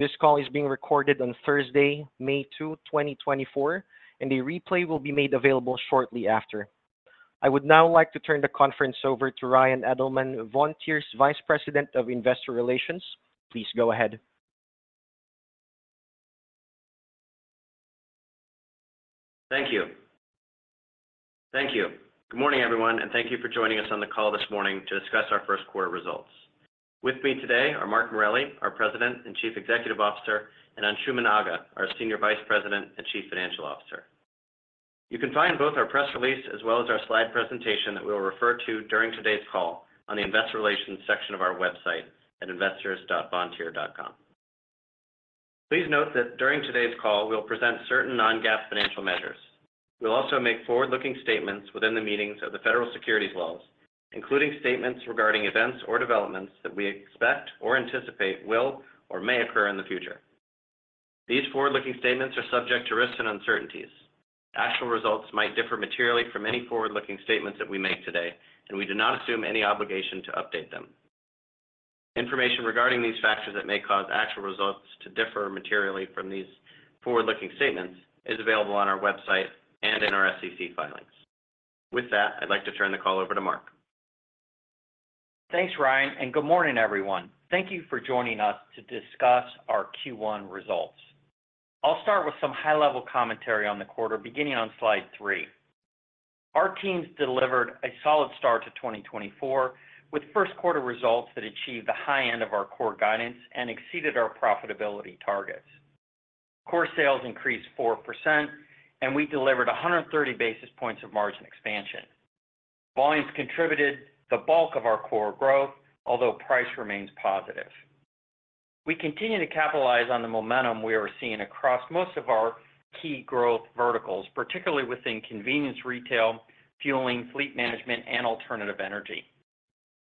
This call is being recorded on Thursday, May 2, 2024, and a replay will be made available shortly after. I would now like to turn the conference over to Ryan Edelman, Vontier's Vice President of Investor Relations. Please go ahead. Thank you. Thank you. Good morning, everyone, and thank you for joining us on the call this morning to discuss our first quarter results. With me today are Mark Morelli, our President and Chief Executive Officer, and Anshooman Aga, our Senior Vice President and Chief Financial Officer. You can find both our press release as well as our slide presentation that we will refer to during today's call on the Investor Relations section of our website at investors.vontier.com. Please note that during today's call, we'll present certain non-GAAP financial measures. We'll also make forward-looking statements within the meanings of the Federal Securities laws, including statements regarding events or developments that we expect or anticipate will or may occur in the future. These forward-looking statements are subject to risks and uncertainties. Actual results might differ materially from any forward-looking statements that we make today, and we do not assume any obligation to update them. Information regarding these factors that may cause actual results to differ materially from these forward-looking statements is available on our website and in our SEC filings. With that, I'd like to turn the call over to Mark. Thanks, Ryan, and good morning, everyone. Thank you for joining us to discuss our Q1 results. I'll start with some high-level commentary on the quarter, beginning on slide 3. Our teams delivered a solid start to 2024, with first quarter results that achieved the high end of our core guidance and exceeded our profitability targets. Core sales increased 4%, and we delivered 130 basis points of margin expansion. Volumes contributed the bulk of our core growth, although price remains positive. We continue to capitalize on the momentum we are seeing across most of our key growth verticals, particularly within convenience retail, fueling, fleet management, and alternative energy.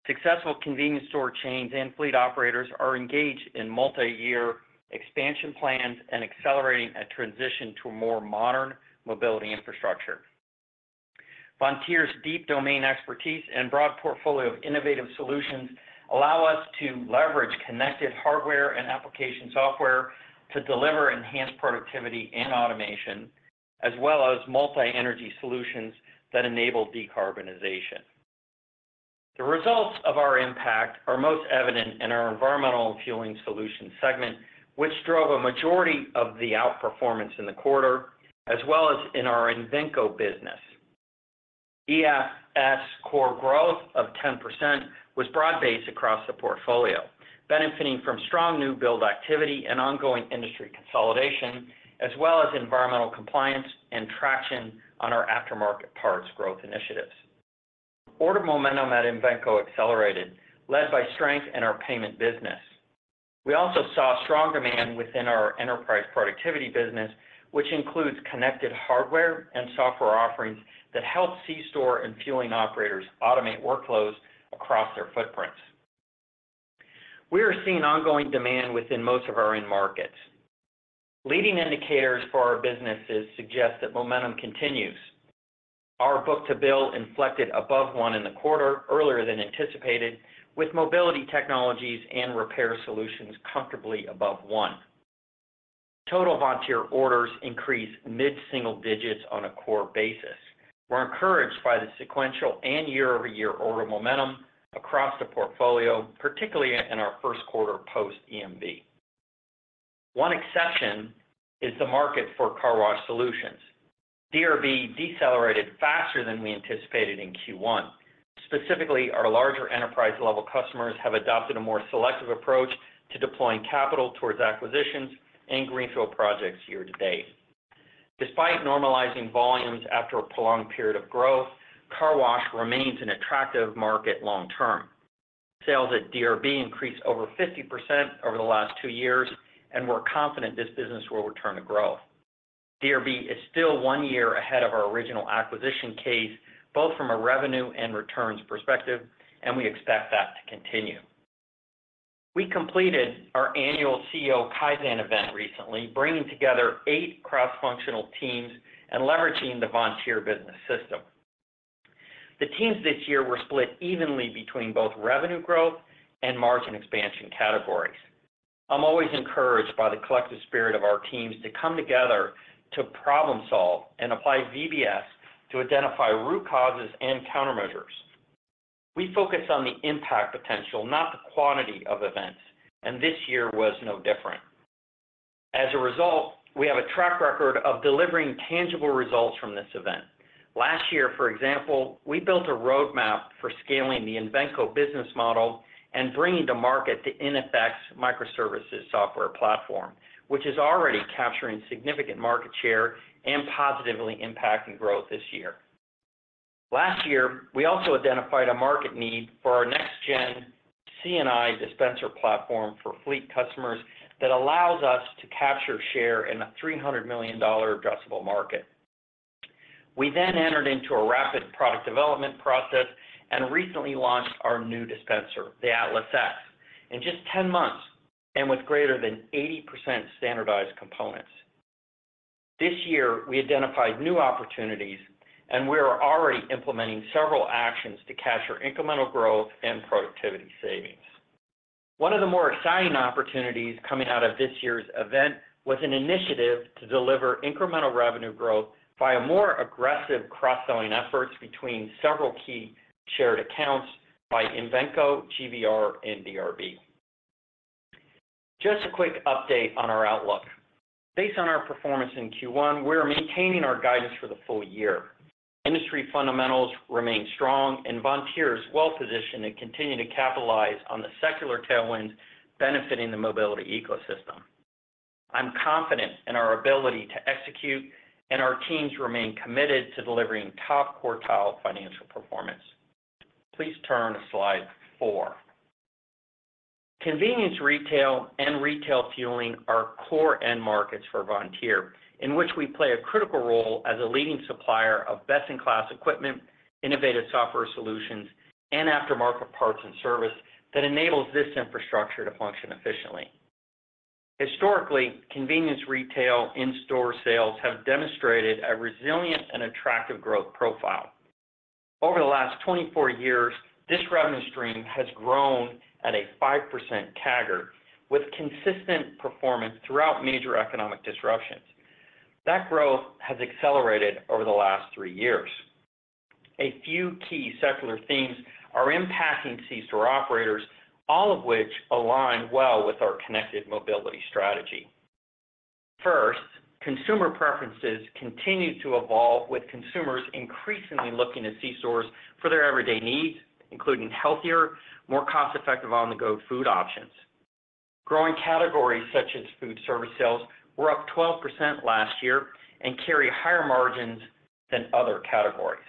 Successful convenience store chains and fleet operators are engaged in multi-year expansion plans and accelerating a transition to a more modern mobility infrastructure. Vontier's deep domain expertise and broad portfolio of innovative solutions allow us to leverage connected hardware and application software to deliver enhanced productivity and automation, as well as multi-energy solutions that enable decarbonization. The results of our impact are most evident in our environmental and fueling solutions segment, which drove a majority of the outperformance in the quarter, as well as in our Invenco business. EFS core growth of 10% was broad-based across the portfolio, benefiting from strong new build activity and ongoing industry consolidation, as well as environmental compliance and traction on our aftermarket parts growth initiatives. Order momentum at Invenco accelerated, led by strength in our payment business. We also saw strong demand within our enterprise productivity business, which includes connected hardware and software offerings that help C-store and fueling operators automate workflows across their footprints. We are seeing ongoing demand within most of our end markets. Leading indicators for our businesses suggest that momentum continues. Our book-to-bill inflected above 1 in the quarter, earlier than anticipated, with mobility technologies and repair solutions comfortably above one. Total Vontier orders increased mid-single digits on a core basis. We're encouraged by the sequential and year-over-year order momentum across the portfolio, particularly in our first quarter post EMV. One exception is the market for car wash solutions. DRB decelerated faster than we anticipated in Q1. Specifically, our larger enterprise-level customers have adopted a more selective approach to deploying capital towards acquisitions and greenfield projects year to date. Despite normalizing volumes after a prolonged period of growth, car wash remains an attractive market long term. Sales at DRB increased over 50% over the last 2 years, and we're confident this business will return to growth. DRB is still one year ahead of our original acquisition case, both from a revenue and returns perspective, and we expect that to continue. We completed our annual CEO Kaizen event recently, bringing together eight cross-functional teams and leveraging the Vontier Business System. The teams this year were split evenly between both revenue growth and margin expansion categories. I'm always encouraged by the collective spirit of our teams to come together to problem solve and apply VBS to identify root causes and countermeasures. We focus on the impact potential, not the quantity of events, and this year was no different. As a result, we have a track record of delivering tangible results from this event. Last year, for example, we built a roadmap for scaling the Invenco business model and bringing to market the iNFX microservices software platform, which is already capturing significant market share and positively impacting growth this year. Last year, we also identified a market need for our next-gen C&I dispenser platform for fleet customers that allows us to capture share in a $300 million addressable market. We then entered into a rapid product development process and recently launched our new dispenser, the AtlasX, in just 10 months and with greater than 80% standardized components. This year, we identified new opportunities, and we are already implementing several actions to capture incremental growth and productivity savings. One of the more exciting opportunities coming out of this year's event was an initiative to deliver incremental revenue growth by a more aggressive cross-selling efforts between several key shared accounts by Invenco, GVR, and DRB. Just a quick update on our outlook. Based on our performance in Q1, we are maintaining our guidance for the full year. Industry fundamentals remain strong, and Vontier is well-positioned and continue to capitalize on the secular tailwinds benefiting the mobility ecosystem. I'm confident in our ability to execute, and our teams remain committed to delivering top-quartile financial performance. Please turn to slide four. Convenience retail and retail fueling are core end markets for Vontier, in which we play a critical role as a leading supplier of best-in-class equipment, innovative software solutions, and aftermarket parts and service that enables this infrastructure to function efficiently. Historically, convenience retail in-store sales have demonstrated a resilient and attractive growth profile. Over the last 24 years, this revenue stream has grown at a 5% CAGR, with consistent performance throughout major economic disruptions. That growth has accelerated over the last 3 years. A few key secular themes are impacting C-Store operators, all of which align well with our connected mobility strategy. First, consumer preferences continue to evolve, with consumers increasingly looking to C-Stores for their everyday needs, including healthier, more cost-effective on-the-go food options. Growing categories, such as food service sales, were up 12% last year and carry higher margins than other categories.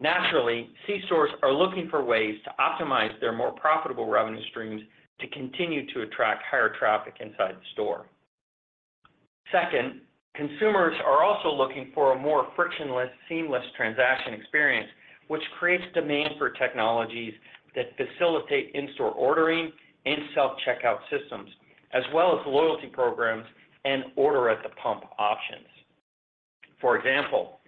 Naturally, C-Stores are looking for ways to optimize their more profitable revenue streams to continue to attract higher traffic inside the store. Second, consumers are also looking for a more frictionless, seamless transaction experience, which creates demand for technologies that facilitate in-store ordering and self-checkout systems, as well as loyalty programs and order at the pump options. For example,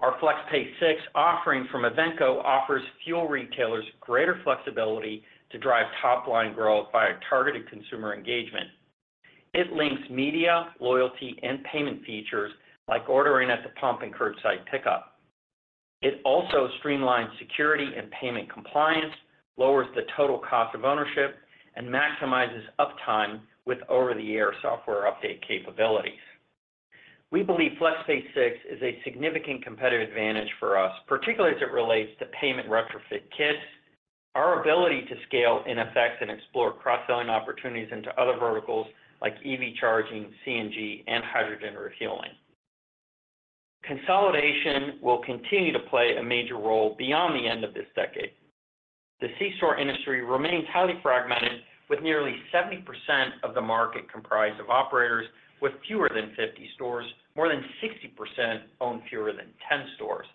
our FlexPay 6 offering from Invenco offers fuel retailers greater flexibility to drive top-line growth by a targeted consumer engagement. It links media, loyalty, and payment features, like ordering at the pump and curbside pickup. It also streamlines security and payment compliance, lowers the total cost of ownership, and maximizes uptime with over-the-air software update capabilities. We believe FlexPay 6 is a significant competitive advantage for us, particularly as it relates to payment retrofit kits, our ability to scale iNFX and explore cross-selling opportunities into other verticals like EV charging, CNG, and hydrogen refueling. Consolidation will continue to play a major role beyond the end of this decade. The C-Store industry remains highly fragmented, with nearly 70% of the market comprised of operators, with fewer than 50 stores. More than 60% own fewer than 10 stores.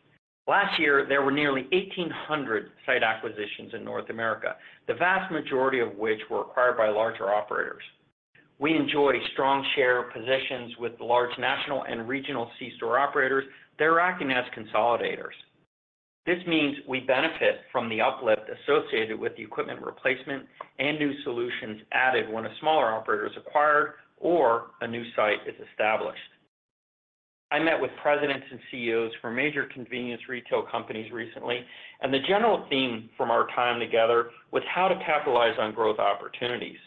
Last year, there were nearly 1,800 site acquisitions in North America, the vast majority of which were acquired by larger operators. We enjoy strong share positions with large national and regional C-Store operators that are acting as consolidators. This means we benefit from the uplift associated with the equipment replacement and new solutions added when a smaller operator is acquired or a new site is established. I met with presidents and CEOs from major convenience retail companies recently, and the general theme from our time together was how to capitalize on growth opportunities.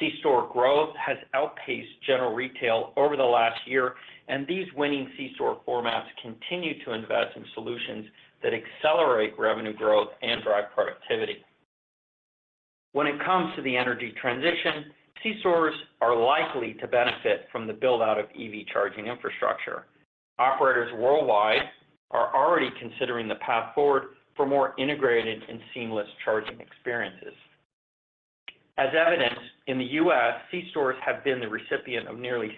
C-Store growth has outpaced general retail over the last year, and these winning C-Store formats continue to invest in solutions that accelerate revenue growth and drive productivity. When it comes to the energy transition, C-Stores are likely to benefit from the build-out of EV charging infrastructure. Operators worldwide are already considering the path forward for more integrated and seamless charging experiences. As evidenced in the U.S., C-Stores have been the recipient of nearly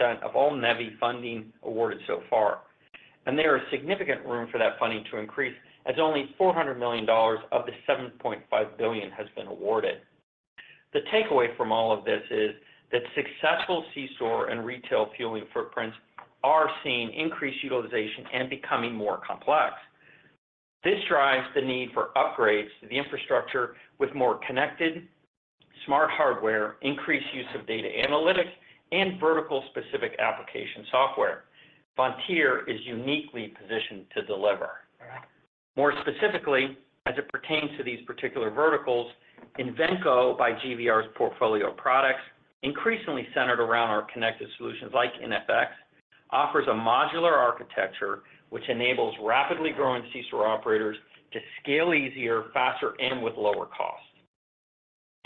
60% of all NEVI funding awarded so far, and there are significant room for that funding to increase, as only $400 million of the $7.5 billion has been awarded. The takeaway from all of this is that successful C-Store and retail fueling footprints are seeing increased utilization and becoming more complex. This drives the need for upgrades to the infrastructure with more connected, smart hardware, increased use of data analytics, and vertical-specific application software. Vontier is uniquely positioned to deliver. More specifically, as it pertains to these particular verticals, Invenco by GVR's portfolio of products, increasingly centered around our connected solutions like iNFX, offers a modular architecture, which enables rapidly growing C-Store operators to scale easier, faster, and with lower costs.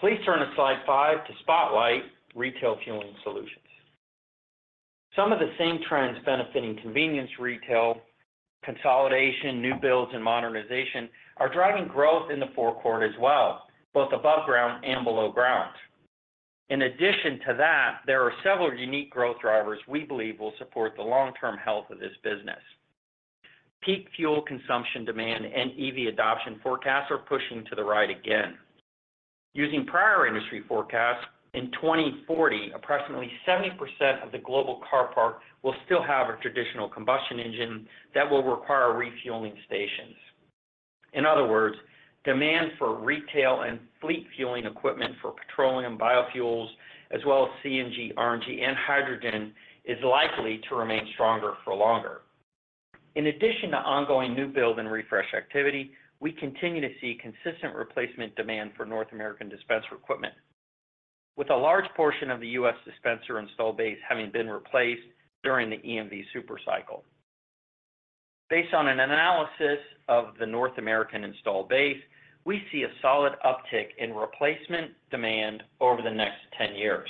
Please turn to slide 5 to spotlight retail fueling solutions. Some of the same trends benefiting convenience retail, consolidation, new builds, and modernization are driving growth in the forecourt as well, both above ground and below ground. In addition to that, there are several unique growth drivers we believe will support the long-term health of this business.... Peak fuel consumption demand and EV adoption forecasts are pushing to the right again. Using prior industry forecasts, in 2040, approximately 70% of the global car park will still have a traditional combustion engine that will require refueling stations. In other words, demand for retail and fleet fueling equipment for petroleum biofuels, as well as CNG, RNG, and hydrogen, is likely to remain stronger for longer. In addition to ongoing new build and refresh activity, we continue to see consistent replacement demand for North American dispenser equipment, with a large portion of the U.S. dispenser install base having been replaced during the EMV super cycle. Based on an analysis of the North American installed base, we see a solid uptick in replacement demand over the next 10 years.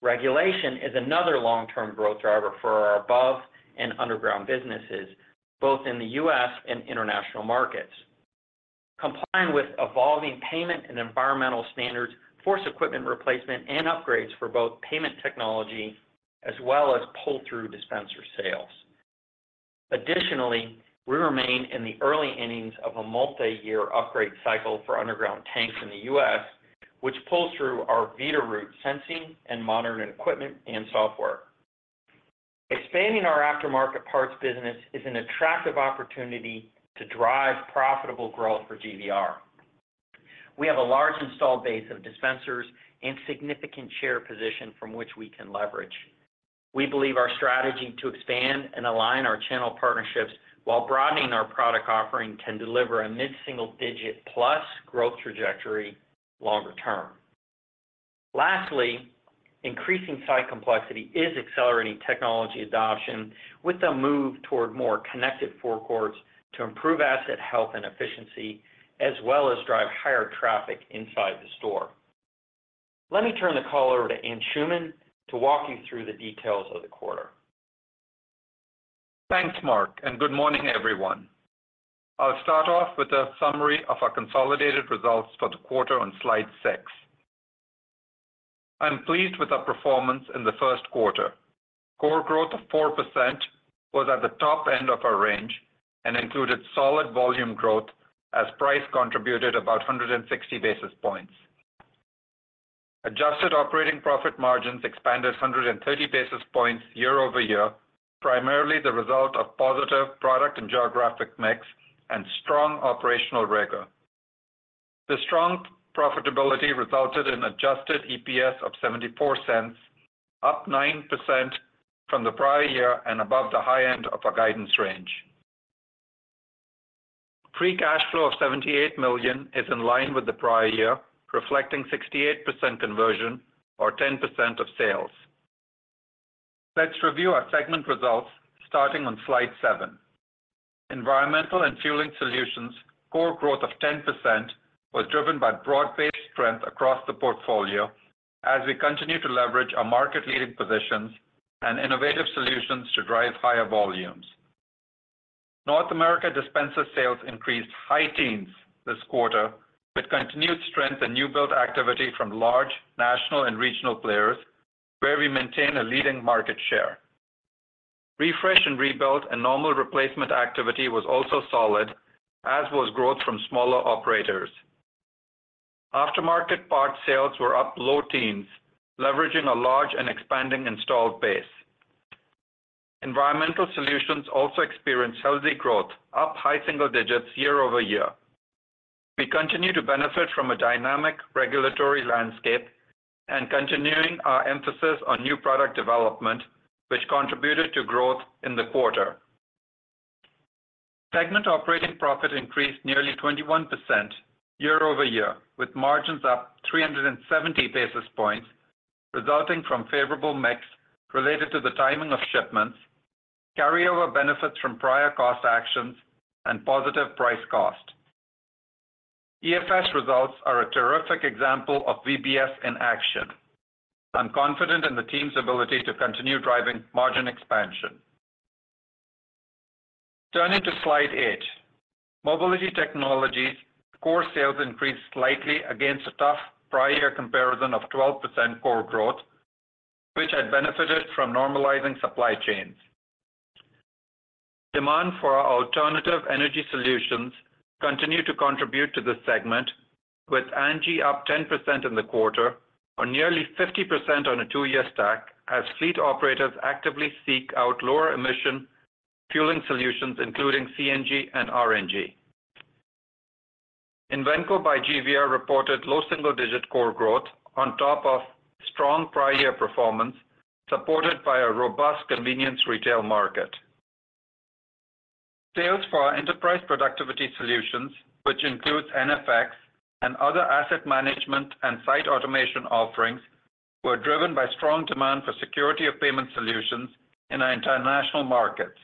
Regulation is another long-term growth driver for our above and underground businesses, both in the U.S. and international markets. Complying with evolving payment and environmental standards forces equipment replacement and upgrades for both payment technology as well as pull-through dispenser sales. Additionally, we remain in the early innings of a multi-year upgrade cycle for underground tanks in the U.S., which pulls through our Veeder-Root sensing and monitoring equipment and software. Expanding our aftermarket parts business is an attractive opportunity to drive profitable growth for GVR. We have a large installed base of dispensers and significant share position from which we can leverage. We believe our strategy to expand and align our channel partnerships while broadening our product offering can deliver a mid-single-digit plus growth trajectory longer term. Lastly, increasing site complexity is accelerating technology adoption with a move toward more connected forecourts to improve asset health and efficiency, as well as drive higher traffic inside the store. Let me turn the call over to Anshooman Aga to walk you through the details of the quarter. Thanks, Mark, and good morning, everyone. I'll start off with a summary of our consolidated results for the quarter on slide 6. I'm pleased with our performance in the first quarter. Core growth of 4% was at the top end of our range and included solid volume growth, as price contributed about 160 basis points. Adjusted operating profit margins expanded 130 basis points year-over-year, primarily the result of positive product and geographic mix and strong operational rigor. The strong profitability resulted in adjusted EPS of $0.74, up 9% from the prior year and above the high end of our guidance range. Free cash flow of $78 million is in line with the prior year, reflecting 68% conversion or 10% of sales. Let's review our segment results, starting on slide 7. Environmental and fueling solutions, core growth of 10% was driven by broad-based strength across the portfolio as we continue to leverage our market-leading positions and innovative solutions to drive higher volumes. North America dispenser sales increased high teens this quarter, with continued strength and new build activity from large, national, and regional players, where we maintain a leading market share. Refresh and rebuild and normal replacement activity was also solid, as was growth from smaller operators. Aftermarket parts sales were up low teens, leveraging a large and expanding installed base. Environmental solutions also experienced healthy growth, up high single digits year-over-year. We continue to benefit from a dynamic regulatory landscape and continuing our emphasis on new product development, which contributed to growth in the quarter. Segment operating profit increased nearly 21% year-over-year, with margins up 370 basis points, resulting from favorable mix related to the timing of shipments, carryover benefits from prior cost actions, and positive price cost. EFS results are a terrific example of VBS in action. I'm confident in the team's ability to continue driving margin expansion. Turning to slide 8. Mobility Technologies core sales increased slightly against a tough prior year comparison of 12% core growth, which had benefited from normalizing supply chains. Demand for our alternative energy solutions continue to contribute to this segment, with ANGI up 10% in the quarter, or nearly 50% on a 2-year stack, as fleet operators actively seek out lower emission fueling solutions, including CNG and RNG. Invenco by GVR reported low single-digit core growth on top of strong prior year performance, supported by a robust convenience retail market. Sales for our enterprise productivity solutions, which includes iNFX and other asset management and site automation offerings, were driven by strong demand for security of payment solutions in our international markets.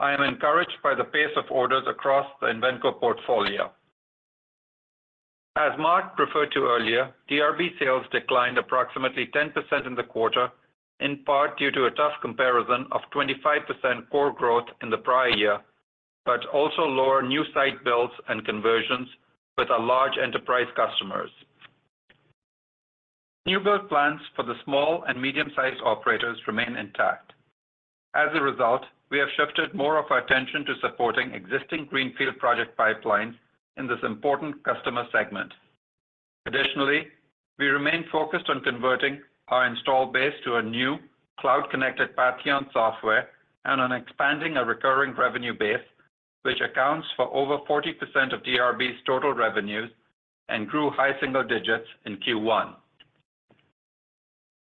I am encouraged by the pace of orders across the Invenco portfolio. As Mark referred to earlier, DRB sales declined approximately 10% in the quarter, in part due to a tough comparison of 25% core growth in the prior year, but also lower new site builds and conversions with our large enterprise customers... New build plans for the small and medium-sized operators remain intact. As a result, we have shifted more of our attention to supporting existing greenfield project pipelines in this important customer segment. Additionally, we remain focused on converting our install base to a new cloud-connected Patcheon software and on expanding our recurring revenue base, which accounts for over 40% of DRB's total revenues and grew high single digits in Q1.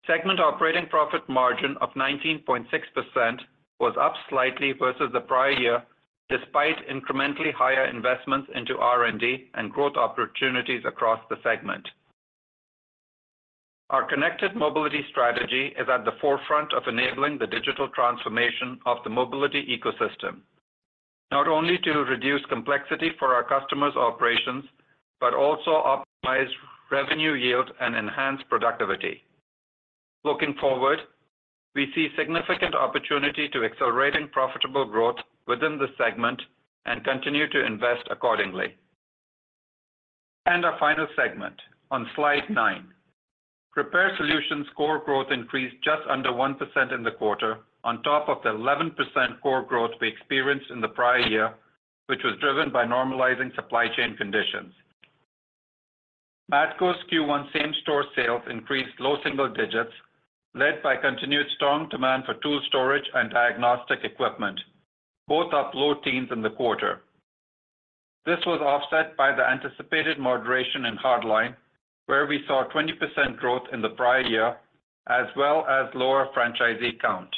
Segment operating profit margin of 19.6% was up slightly versus the prior year, despite incrementally higher investments into R&D and growth opportunities across the segment. Our connected mobility strategy is at the forefront of enabling the digital transformation of the mobility ecosystem, not only to reduce complexity for our customers' operations, but also optimize revenue yield and enhance productivity. Looking forward, we see significant opportunity to accelerating profitable growth within this segment and continue to invest accordingly. And our final segment on slide nine. Repair Solutions core growth increased just under 1% in the quarter, on top of the 11% core growth we experienced in the prior year, which was driven by normalizing supply chain conditions. Matco's Q1 same-store sales increased low single digits, led by continued strong demand for tool storage and diagnostic equipment, both up low teens in the quarter. This was offset by the anticipated moderation in Hardlines, where we saw 20% growth in the prior year, as well as lower franchisee count.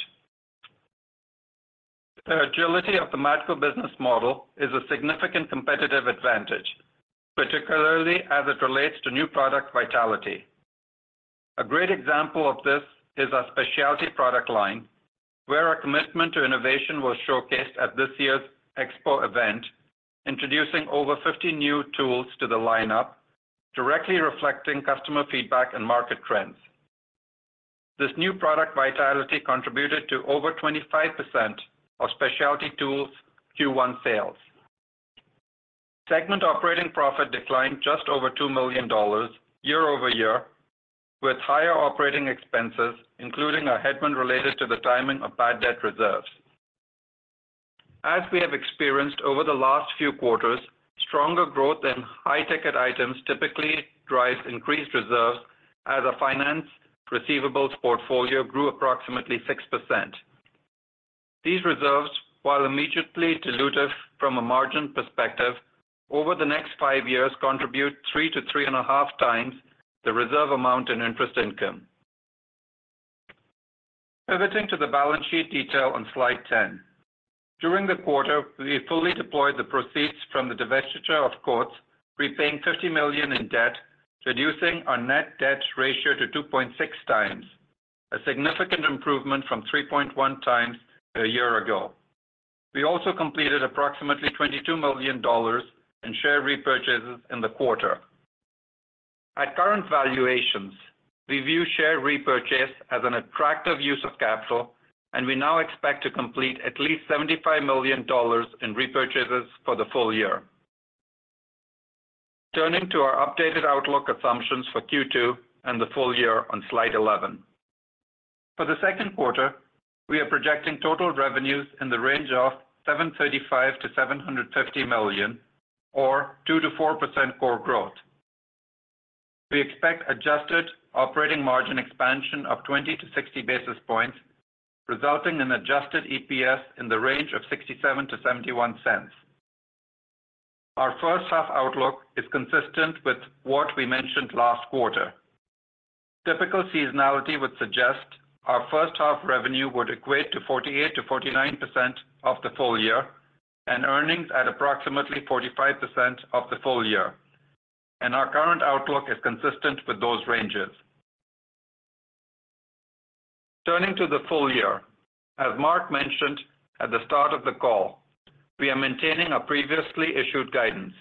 The agility of the Matco business model is a significant competitive advantage, particularly as it relates to new product vitality. A great example of this is our specialty product line, where our commitment to innovation was showcased at this year's expo event, introducing over 50 new tools to the lineup, directly reflecting customer feedback and market trends. This new product vitality contributed to over 25% of Specialty Tools' Q1 sales. Segment operating profit declined just over $2 million year-over-year, with higher operating expenses, including a headwind related to the timing of bad debt reserves. As we have experienced over the last few quarters, stronger growth in high-ticket items typically drives increased reserves, as our finance receivables portfolio grew approximately 6%. These reserves, while immediately dilutive from a margin perspective, over the next five years, contribute 3x-3.5x the reserve amount in interest income. Pivoting to the balance sheet detail on slide 10. During the quarter, we fully deployed the proceeds from the divestiture of Coats, repaying $50 million in debt, reducing our net debt ratio to 2.6x, a significant improvement from 3.1 times a year ago. We also completed approximately $22 million in share repurchases in the quarter. At current valuations, we view share repurchase as an attractive use of capital, and we now expect to complete at least $75 million in repurchases for the full year. Turning to our updated outlook assumptions for Q2 and the full year on slide 11. For the second quarter, we are projecting total revenues in the range of $735 million-$750 million or 2%-4% core growth. We expect adjusted operating margin expansion of 20 basis points-60 basis points, resulting in adjusted EPS in the range of $0.67-$0.71. Our first half outlook is consistent with what we mentioned last quarter. Typical seasonality would suggest our first-half revenue would equate to 48%-49% of the full year, and earnings at approximately 45% of the full year, and our current outlook is consistent with those ranges. Turning to the full year, as Mark mentioned at the start of the call, we are maintaining our previously issued guidance.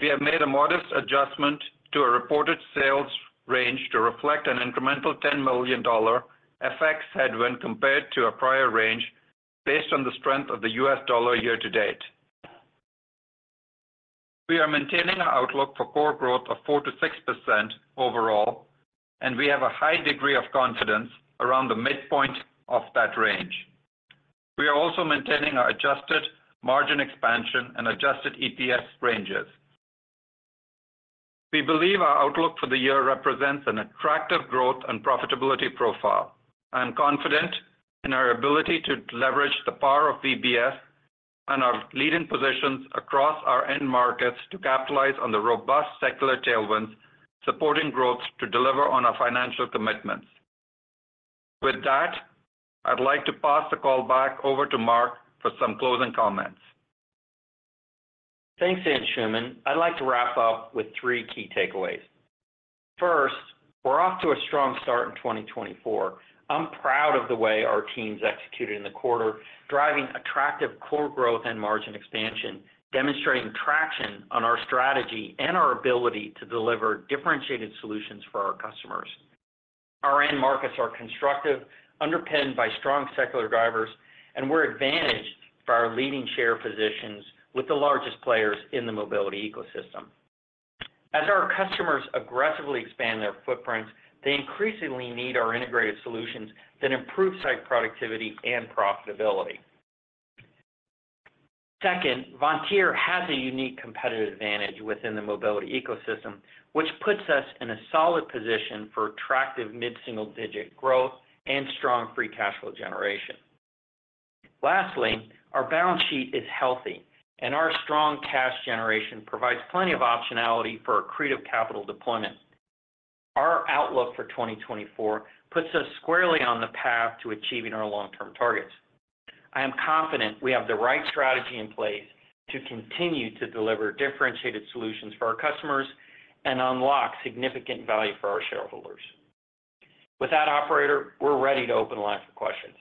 We have made a modest adjustment to our reported sales range to reflect an incremental $10 million FX headwind when compared to our prior range, based on the strength of the U.S. dollar year to date. We are maintaining our outlook for core growth of 4%-6% overall, and we have a high degree of confidence around the midpoint of that range. We are also maintaining our adjusted margin expansion and adjusted EPS ranges. We believe our outlook for the year represents an attractive growth and profitability profile. I am confident in our ability to leverage the power of VBS and our leading positions across our end markets to capitalize on the robust secular tailwinds, supporting growth to deliver on our financial commitments. With that, I'd like to pass the call back over to Mark for some closing comments. Thanks, Anshooman. I'd like to wrap up with three key takeaways. First, we're off to a strong start in 2024. I'm proud of the way our teams executed in the quarter, driving attractive core growth and margin expansion, demonstrating traction on our strategy and our ability to deliver differentiated solutions for our customers. Our end markets are constructive, underpinned by strong secular drivers, and we're advantaged for our leading share positions with the largest players in the mobility ecosystem. As our customers aggressively expand their footprints, they increasingly need our integrated solutions that improve site productivity and profitability. Second, Vontier has a unique competitive advantage within the mobility ecosystem, which puts us in a solid position for attractive mid-single-digit growth and strong free cash flow generation. Lastly, our balance sheet is healthy, and our strong cash generation provides plenty of optionality for accretive capital deployment. Our outlook for 2024 puts us squarely on the path to achieving our long-term targets. I am confident we have the right strategy in place to continue to deliver differentiated solutions for our customers and unlock significant value for our shareholders. With that, operator, we're ready to open the line for questions.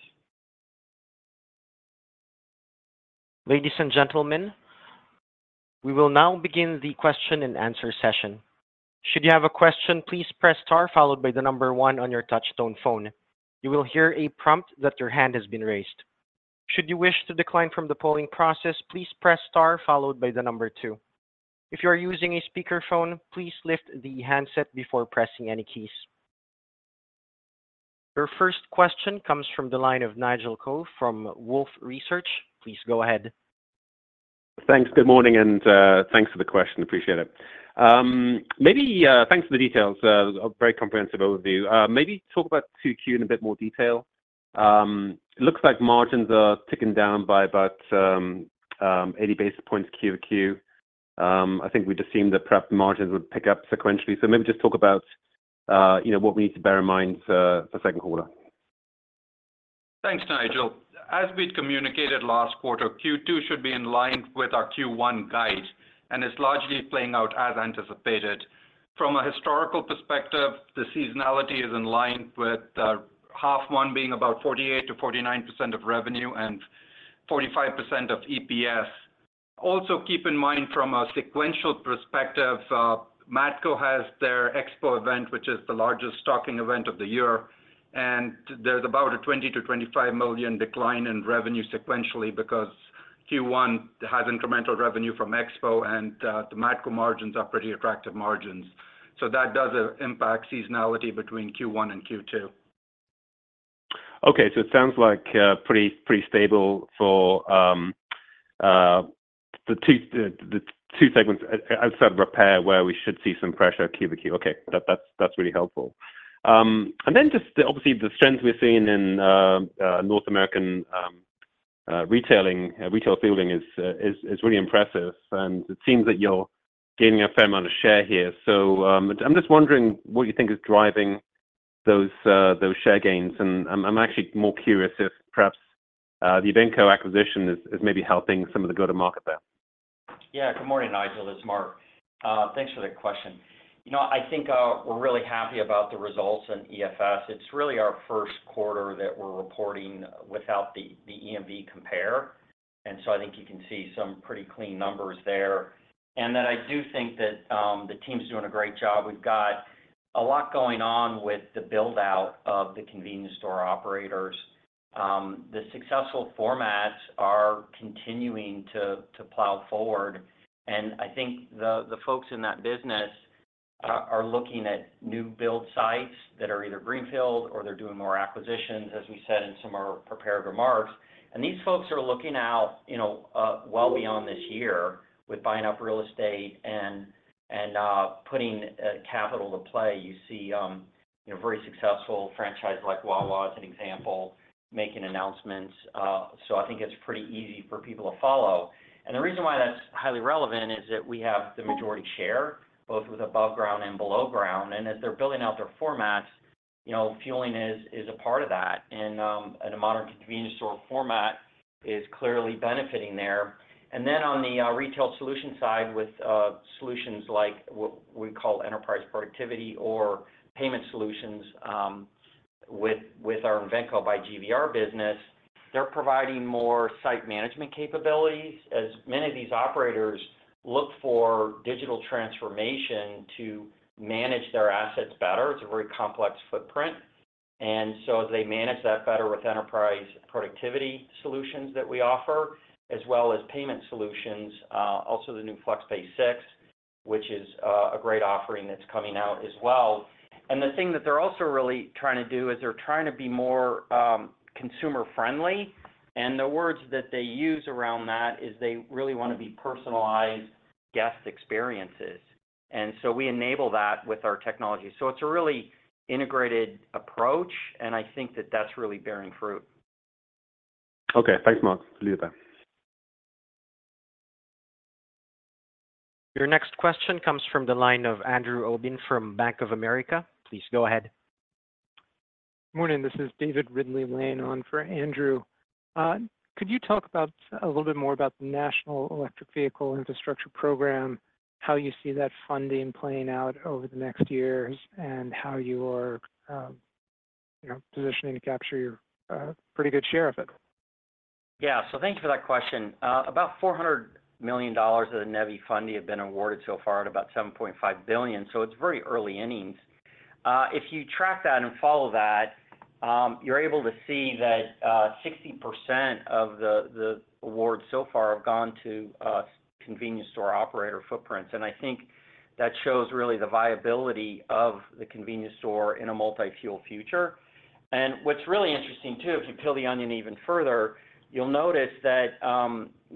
Ladies and gentlemen, we will now begin the question-and-answer session. Should you have a question, please press star followed by the number one on your touchtone phone. You will hear a prompt that your hand has been raised. Should you wish to decline from the polling process, please press star followed by the number two. If you are using a speakerphone, please lift the handset before pressing any keys. Your first question comes from the line of Nigel Coe from Wolfe Research. Please go ahead. Thanks. Good morning, and thanks for the question. Appreciate it. Maybe thanks for the details. A very comprehensive overview. Maybe talk about 2Q in a bit more detail. It looks like margins are ticking down by about 80 basis points Q-over-Q. I think we just seemed that perhaps margins would pick up sequentially. So maybe just talk about, you know, what we need to bear in mind for second quarter. Thanks, Nigel. As we'd communicated last quarter, Q2 should be in line with our Q1 guide, and it's largely playing out as anticipated. From a historical perspective, the seasonality is in line with, half one being about 48%-49% of revenue and 45% of EPS. Also, keep in mind, from a sequential perspective, Matco has their expo event, which is the largest stocking event of the year, and there's about a $20 million-$25 million decline in revenue sequentially because Q1 has incremental revenue from expo, and, the Matco margins are pretty attractive margins. So that does, impact seasonality between Q1 and Q2. Okay, so it sounds like pretty stable for the two segments outside of repair, where we should see some pressure Q-over-Q. Okay. That's really helpful. And then just obviously, the strength we're seeing in North American retail fueling is really impressive, and it seems that you're gaining a fair amount of share here. So, I'm just wondering what you think is driving those share gains. And I'm actually more curious if perhaps the Invenco acquisition is maybe helping some of the go-to-market there. Yeah. Good morning, Nigel, it's Mark. Thanks for the question. You know, I think we're really happy about the results in EFS. It's really our first quarter that we're reporting without the EMV compare, and so I think you can see some pretty clean numbers there. And then I do think that the team's doing a great job. We've got a lot going on with the build-out of the convenience store operators. The successful formats are continuing to plow forward, and I think the folks in that business are looking at new build sites that are either greenfield or they're doing more acquisitions, as we said in some of our prepared remarks. And these folks are looking out, you know, well beyond this year with buying up real estate and putting capital to play. You see, you know, very successful franchise like Wawa, as an example, making announcements. So I think it's pretty easy for people to follow. And the reason why that's highly relevant is that we have the majority share, both with above ground and below ground. And as they're building out their formats, you know, fueling is a part of that. And the modern convenience store format is clearly benefiting there. And then on the retail solution side, with solutions like what we call enterprise productivity or payment solutions, with our Invenco by GVR business, they're providing more site management capabilities. As many of these operators look for digital transformation to manage their assets better, it's a very complex footprint. And so as they manage that better with enterprise productivity solutions that we offer, as well as payment solutions, also the new FlexPay 6, which is a great offering that's coming out as well. And the thing that they're also really trying to do is they're trying to be more consumer-friendly, and the words that they use around that is they really want to be personalized guest experiences. And so we enable that with our technology. So it's a really integrated approach, and I think that that's really bearing fruit. Okay. Thanks, Mark. Later bye. Your next question comes from the line of Andrew Obin from Bank of America. Please go ahead. Morning, this is David Ridley-Lane in for Andrew. Could you talk about—a little bit more about the National Electric Vehicle Infrastructure program, how you see that funding playing out over the next years, and how you are, you know, positioning to capture your pretty good share of it? ...Yeah, so thank you for that question. About $400 million of the NEVI funding have been awarded so far at about $7.5 billion, so it's very early innings. If you track that and follow that, you're able to see that, 60% of the awards so far have gone to convenience store operator footprints. And I think that shows really the viability of the convenience store in a multi-fuel future. And what's really interesting too, if you peel the onion even further, you'll notice that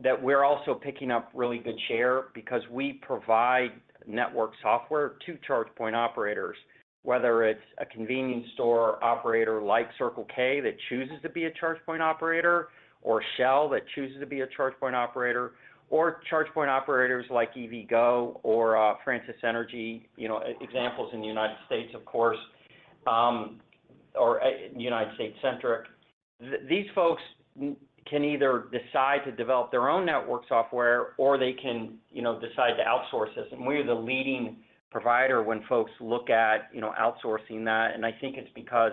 that we're also picking up really good share because we provide network software to charge point operators, whether it's a convenience store operator like Circle K, that chooses to be a charge point operator, or Shell that chooses to be a charge point operator, or charge point operators like EVgo or Francis Energy, you know, examples in the United States, of course, or United States-centric. These folks can either decide to develop their own network software or they can, you know, decide to outsource this. And we're the leading provider when folks look at, you know, outsourcing that, and I think it's because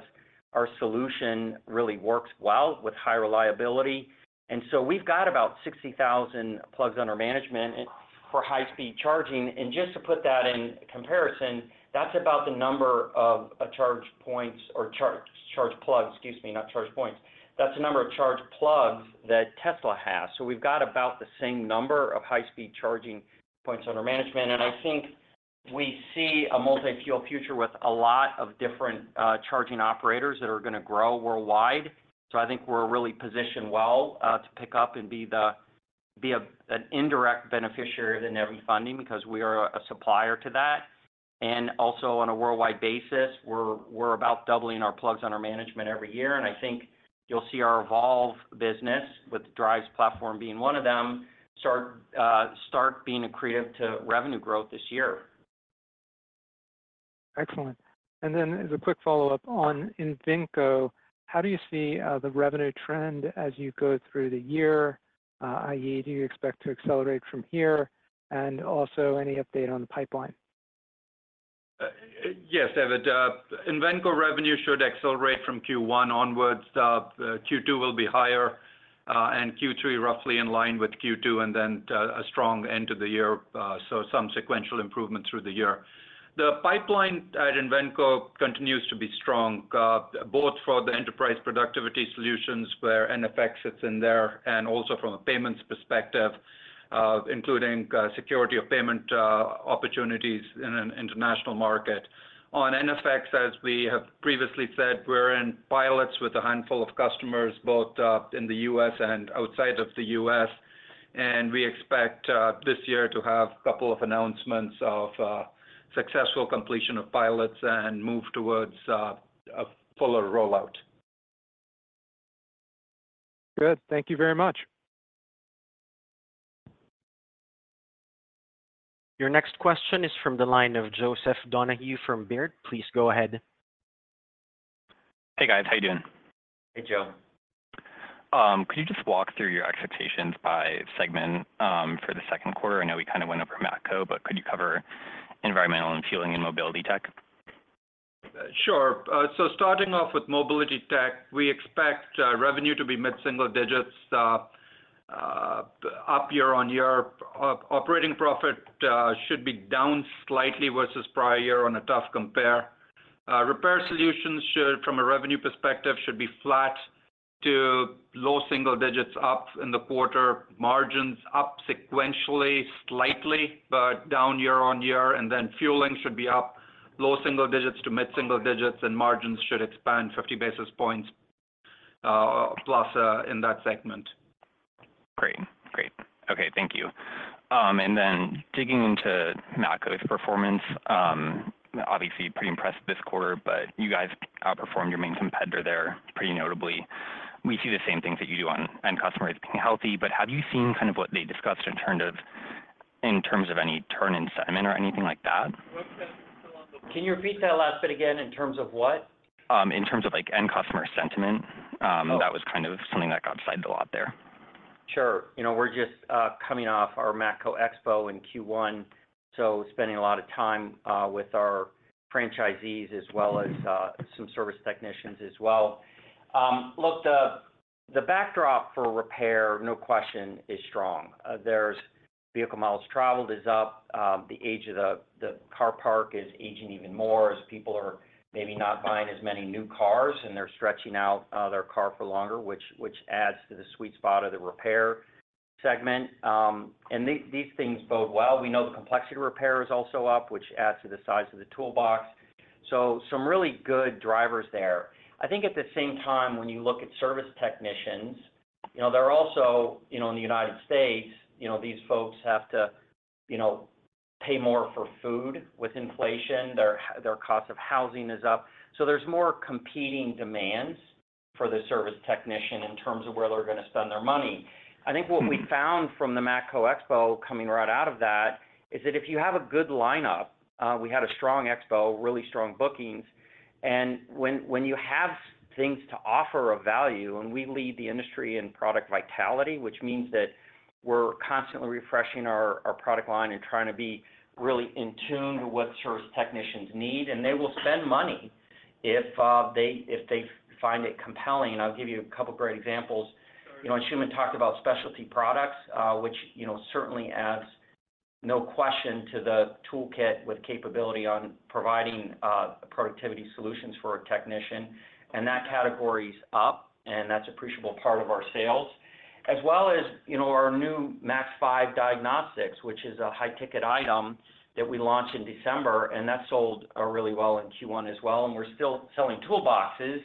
our solution really works well with high reliability. And so we've got about 60,000 plugs under management for high-speed charging. And just to put that in comparison, that's about the number of charge points or charge plugs, excuse me, not charge points. That's the number of charge plugs that Tesla has. So we've got about the same number of high-speed charging points under management, and I think we see a multi-fuel future with a lot of different charging operators that are gonna grow worldwide. So I think we're really positioned well to pick up and be an indirect beneficiary of the NEVI funding because we are a supplier to that. And also on a worldwide basis, we're about doubling our plugs under management every year, and I think you'll see our EVolve business, with the Driivz platform being one of them, start being accretive to revenue growth this year. Excellent. And then as a quick follow-up on Invenco, how do you see the revenue trend as you go through the year? i.e., do you expect to accelerate from here? And also, any update on the pipeline? Yes, David. Invenco revenue should accelerate from Q1 onwards. Q2 will be higher, and Q3 roughly in line with Q2, and then, a strong end to the year, so some sequential improvement through the year. The pipeline at Invenco continues to be strong, both for the enterprise productivity solutions, where iNFX sits in there, and also from a payments perspective, including, security of payment, opportunities in an international market. On iNFX, as we have previously said, we're in pilots with a handful of customers, both, in the U.S. and outside of the U.S., and we expect, this year to have a couple of announcements of, successful completion of pilots and move towards, a fuller rollout. Good. Thank you very much. Your next question is from the line of Joseph Donahue from Baird. Please go ahead. Hey, guys. How are you doing? Hey, Joe. Could you just walk through your expectations by segment, for the second quarter? I know we kind of went over Matco, but could you cover environmental and fueling and mobility tech? Sure. So starting off with mobility tech, we expect revenue to be mid-single digits up year-on-year. Operating profit should be down slightly versus prior year on a tough compare. Repair solutions should, from a revenue perspective, should be flat to low single digits up in the quarter, margins up sequentially, slightly, but down year-on-year, and then fueling should be up low single digits to mid single digits, and margins should expand 50 basis points+ in that segment. Great. Great. Okay, thank you. And then digging into Matco's performance, obviously pretty impressed this quarter, but you guys outperformed your main competitor there pretty notably. We see the same things that you do on end customer is healthy, but have you seen kind of what they discussed in terms of, in terms of any turn in sentiment or anything like that? Can you repeat that last bit again? In terms of what? In terms of, like, end customer sentiment. Oh. That was kind of something that got said a lot there. Sure. You know, we're just coming off our Matco Expo in Q1, so spending a lot of time with our franchisees, as well as some service technicians as well. Look, the backdrop for repair, no question, is strong. There's vehicle miles traveled is up. The age of the car park is aging even more as people are maybe not buying as many new cars, and they're stretching out their car for longer, which adds to the sweet spot of the repair segment. And these things bode well. We know the complexity of repair is also up, which adds to the size of the toolbox. So some really good drivers there. I think at the same time, when you look at service technicians, you know, they're also, you know, in the United States, you know, these folks have to, you know, pay more for food with inflation. Their cost of housing is up. So there's more competing demands for the service technician in terms of where they're gonna spend their money. I think what we found from the Matco Expo coming right out of that is that if you have a good lineup, we had a strong expo, really strong bookings. And when you have things to offer of value, and we lead the industry in product vitality, which means that we're constantly refreshing our product line and trying to be really in tune with what service technicians need, and they will spend money if they find it compelling. I'll give you a couple great examples. You know, Anshooman talked about specialty products, which, you know, certainly adds no question to the toolkit with capability on providing productivity solutions for a technician. And that category is up, and that's appreciable part of our sales. As well as, you know, our new Max Five Diagnostics, which is a high-ticket item that we launched in December, and that sold really well in Q1 as well. And we're still selling toolboxes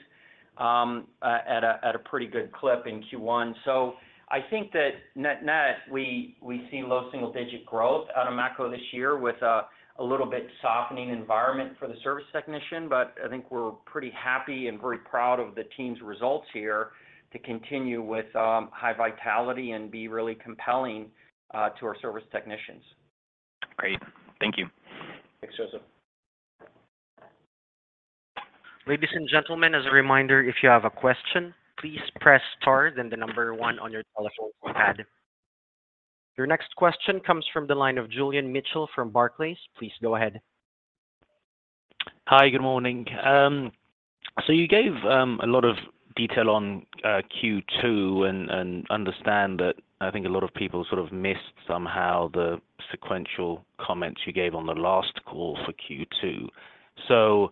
at a pretty good clip in Q1. So I think that net-net, we see low single-digit growth out of Matco this year with a little bit softening environment for the service technician. But I think we're pretty happy and very proud of the team's results here to continue with high vitality and be really compelling to our service technicians. Great. Thank you. Thanks, Joseph. Ladies and gentlemen, as a reminder, if you have a question, please press star, then the number one on your telephone pad. Your next question comes from the line of Julian Mitchell from Barclays. Please go ahead. Hi, good morning. So you gave a lot of detail on Q2 and understand that I think a lot of people sort of missed somehow the sequential comments you gave on the last call for Q2. So,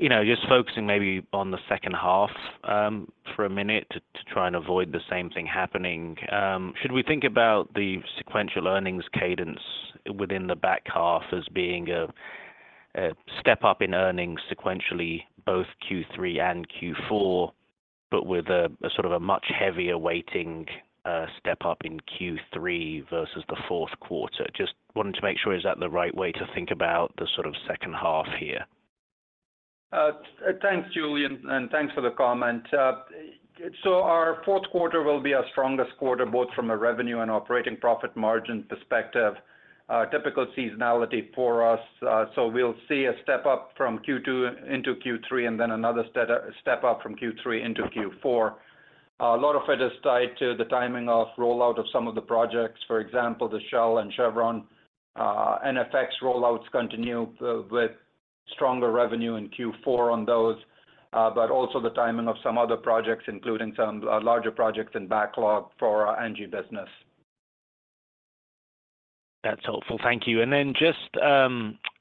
you know, just focusing maybe on the second half for a minute to try and avoid the same thing happening. Should we think about the sequential earnings cadence within the back half as being a step up in earnings sequentially, both Q3 and Q4, but with a sort of a much heavier weighting step up in Q3 versus the fourth quarter? Just wanted to make sure, is that the right way to think about the sort of second half here? Thanks, Julian, and thanks for the comment. So our fourth quarter will be our strongest quarter, both from a revenue and operating profit margin perspective, typical seasonality for us. So we'll see a step up from Q2 into Q3, and then another step up from Q3 into Q4. A lot of it is tied to the timing of rollout of some of the projects, for example, the Shell and Chevron. iNFX rollouts continue with stronger revenue in Q4 on those, but also the timing of some other projects, including some larger projects in backlog for our NG business. That's helpful. Thank you. And then just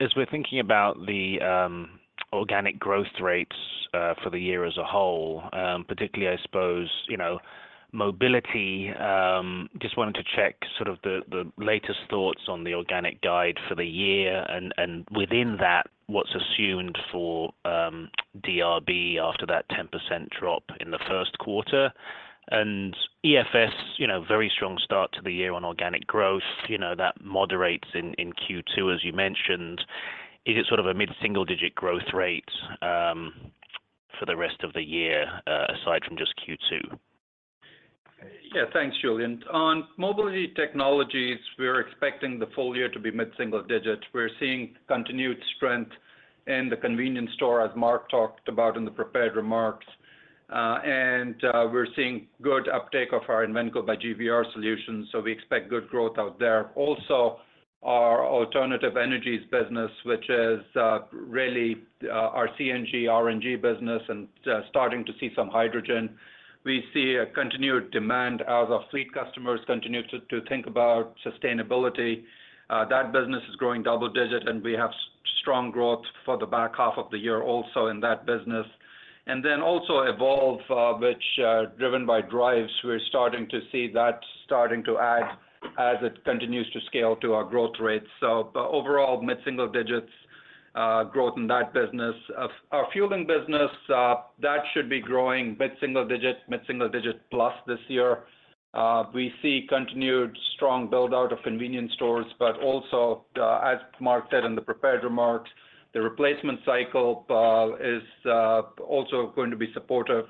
as we're thinking about the organic growth rates for the year as a whole, particularly, I suppose, you know, mobility, just wanted to check sort of the latest thoughts on the organic guide for the year, and within that, what's assumed for DRB after that 10% drop in the first quarter? And EFS, you know, very strong start to the year on organic growth, you know, that moderates in Q2, as you mentioned, is it sort of a mid-single-digit growth rate for the rest of the year aside from just Q2? Yeah. Thanks, Julian. On mobility technologies, we're expecting the full year to be mid-single-digit. We're seeing continued strength in the convenience store, as Mark talked about in the prepared remarks. And we're seeing good uptake of our Invenco by GVR solutions, so we expect good growth out there. Also, our alternative energies business, which is really our CNG, RNG business, and starting to see some hydrogen. We see continued demand as our fleet customers continue to think about sustainability. That business is growing double-digit, and we have strong growth for the back half of the year, also in that business. And then also EVolve, which, driven by Driivz, we're starting to see that starting to add as it continues to scale to our growth rates. So but overall, mid-single-digits growth in that business. Our fueling business, that should be growing mid-single digit, mid-single digit, plus this year. We see continued strong build-out of convenience stores, but also, as Mark said in the prepared remarks, the replacement cycle is also going to be supportive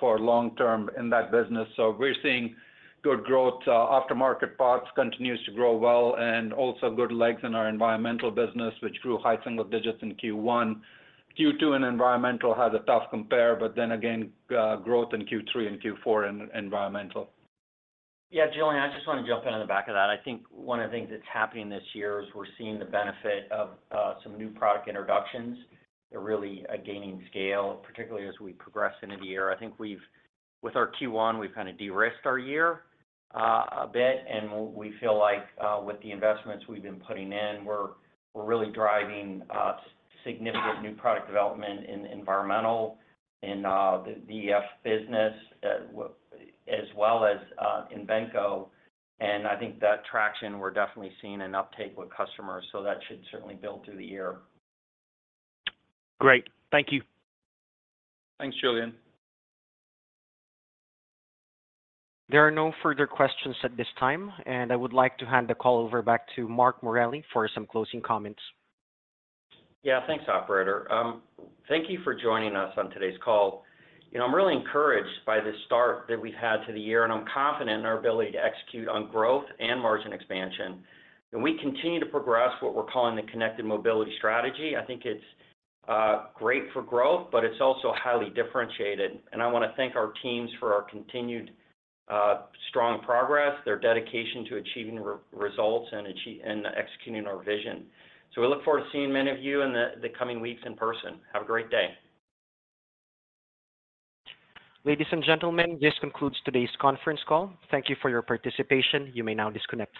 for long term in that business. So we're seeing good growth. Aftermarket parts continues to grow well, and also good legs in our environmental business, which grew high single digits in Q1. Q2 in environmental had a tough compare, but then again, growth in Q3 and Q4 in environmental. Yeah, Julian, I just want to jump in on the back of that. I think one of the things that's happening this year is we're seeing the benefit of some new product introductions. They're really gaining scale, particularly as we progress into the year. I think we've, with our Q1, we've kinda de-risked our year a bit, and we feel like, with the investments we've been putting in, we're really driving significant new product development in environmental, in the DEF business, as well as in Invenco. And I think that traction, we're definitely seeing an uptake with customers, so that should certainly build through the year. Great. Thank you. Thanks, Julian. There are no further questions at this time, and I would like to hand the call over back to Mark Morelli for some closing comments. Yeah, thanks, operator. Thank you for joining us on today's call. You know, I'm really encouraged by the start that we've had to the year, and I'm confident in our ability to execute on growth and margin expansion. We continue to progress what we're calling the Connected Mobility Strategy. I think it's great for growth, but it's also highly differentiated, and I wanna thank our teams for our continued strong progress, their dedication to achieving results, and executing our vision. So we look forward to seeing many of you in the coming weeks in person. Have a great day. Ladies and gentlemen, this concludes today's conference call. Thank you for your participation. You may now disconnect.